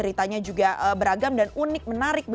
namanya untuk penonton